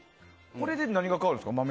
これで何が変わるんですか？